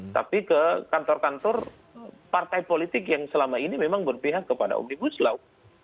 tapi ke kantor kantor partai politik yang selama ini memang berpihak kepada omnibus law